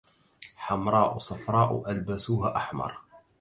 حمراء صرفا ألبسوها أحمرا